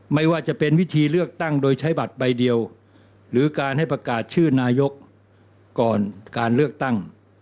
ไม่ว่าจะเป็นวิธีเลือกตั้งโดยใช้บัตรใบเดียวหรือการให้ประกาศชื่อนายกก่อนการเลือกตั้ง